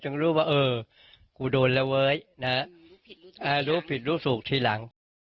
จึงรู้ว่าเออกูโดนแล้วเว้ยรู้ผิดรู้สุขที่หลัง